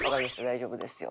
大丈夫ですよ」